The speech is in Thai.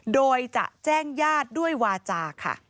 โดยจะแจ้งญาติด้วยวาจาค่ะ